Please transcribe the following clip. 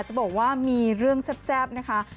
จะบอกว่ามีเรื่องแซ่บนะคะ